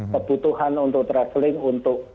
kebutuhan untuk travelling untuk